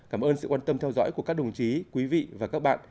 cảm ơn sự quan tâm theo dõi của các đồng chí quý vị và các bạn